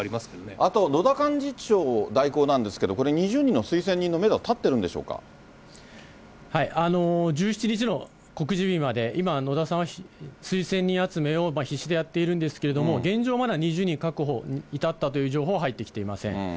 あと、野田幹事長代行なんですけど、これ２０人の推薦人のメ１７日の告示日まで、今、野田さんは推薦人集めを必死でやってるんですけれども、現状まだ２０人確保に至ったという情報は入ってきていません。